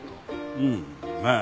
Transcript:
うんまあ